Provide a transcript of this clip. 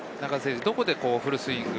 どこでフルスイング。